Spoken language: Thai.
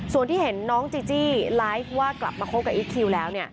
ส่วนที่เห็นน้องจีจี้ไลฟ์ว่ากลับมาคบกับอีคคิวแล้ว